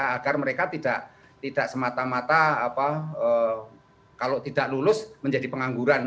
agar mereka tidak semata mata kalau tidak lulus menjadi pengangguran